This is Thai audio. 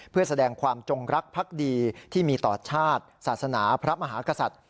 เพื่อแสดงความจงรักพักดีที่มีต่อชาติศาสนาพระมหากษัตริย์